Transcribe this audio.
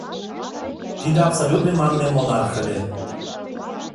Тиде абсолютный манме монарх ыле.